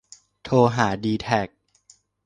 โทรหาดีแทค